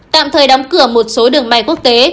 tạm thời đóng cửa một số đường bay quốc tế